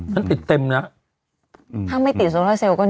ข้างไม่ติดโซลาเซลก็เนิ้ว